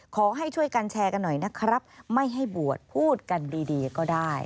ขอให้ช่วยกันแชร์กันหน่อยนะครับไม่ให้บวชพูดกันดีดีก็ได้